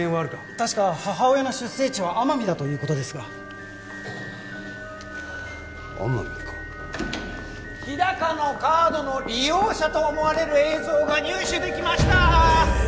確か母親の出生地は奄美だということですが奄美か日高のカードの利用者と思われる映像が入手できましたえ